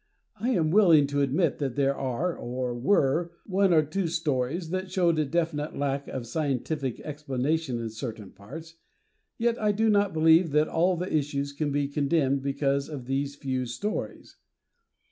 I am willing to admit that there are or were one or two stories that showed a definite lack of scientific explanation in certain parts, yet I do not believe that all the issues can be condemned because of these few stories.